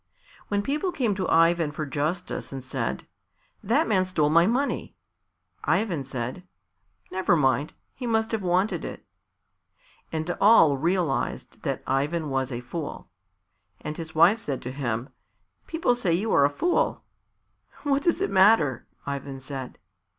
When people came to Ivan for justice and said, "That man stole my money," Ivan said, "Never mind; he must have wanted it." And all realized that Ivan was a fool. And his wife said to him, "People say you are a fool." "What does it matter?" Ivan said.